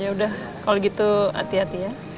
yaudah kalau gitu hati hati ya